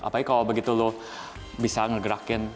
apalagi kalau begitu lo bisa ngegerakin